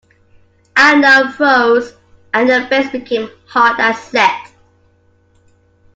I now froze, and the face became hard and set.